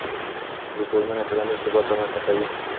ریفورمونه ټولنیز ثبات رامنځته کوي.